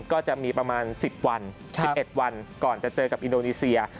ก็จะมีประมาณ๑๐วัน๑๑วันก่อนจะเจอกับอินโดนีเซีย